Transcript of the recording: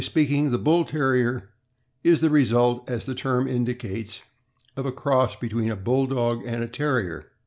speaking, the Bull Terrier is the result, as tne ^erm indicates, of a cross between a Bulldog and a Terrier.